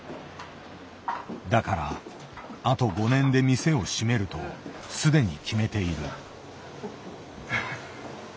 だからあと５年で店を閉めるとすでに決めている。